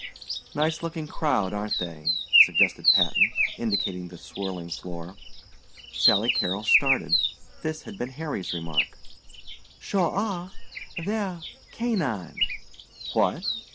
"Nice looking crowd aren't they?" suggested Patton, indicating the swirling floor. Sally Carrol started. This had been Harry's remark. "Sure are! They're canine." "What?"